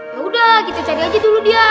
yaudah kita cari aja dulu dia